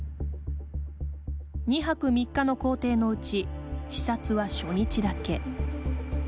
２泊３日の行程のうち視察は初日だけ。